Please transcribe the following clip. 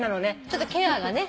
ちょっとケアがね。